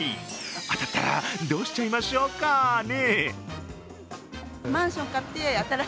当たったらどうしちゃいましょうかね。